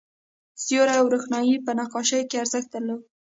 سیوری او روښنايي په نقاشۍ کې ارزښت درلود.